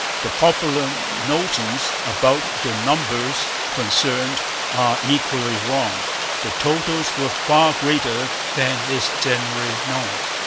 The popular notions about the numbers concerned are equally wrong. The totals were far greater than is generally known.